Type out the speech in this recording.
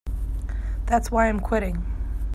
That's why I'm quitting.